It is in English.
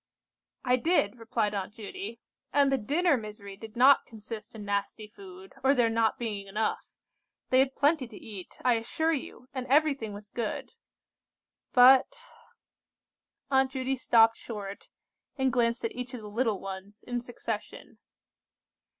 "I did," replied Aunt Judy, "and the dinner misery did not consist in nasty food, or there not being enough. They had plenty to eat, I assure you, and everything was good. But—" Aunt Judy stopped short, and glanced at each of the little ones in succession.